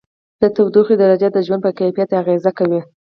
د تودوخې درجه د ژوند په کیفیت اغېزه کوي.